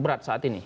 berat saat ini